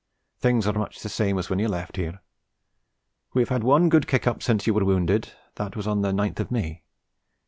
Things are much the same as when you left here. We have had one good kick up since you were wounded, that was on the 9th of May.